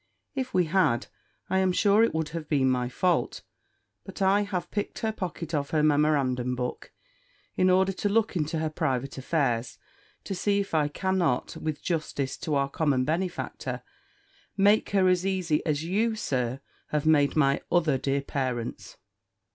"If we had, I am sure it would have been my fault: but I have picked her pocket of her memorandum book, in order to look into her private affairs, to see if I cannot, with justice to our common benefactor, make her as easy as you. Sir, have made my other dear parents."